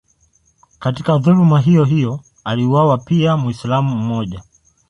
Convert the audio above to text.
Katika dhuluma hiyohiyo aliuawa pia Mwislamu mmoja.